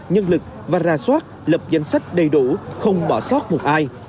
nhân lực và ra soát lập danh sách đầy đủ không bỏ sót một ai